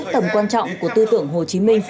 tầm quan trọng của tư tưởng hồ chí minh